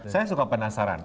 saya suka penasaran